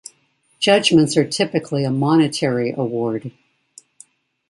Judgments are typically a monetary award.